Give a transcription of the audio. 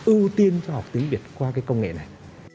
ưu tiên cho học tiếng việt qua cái công nghệ này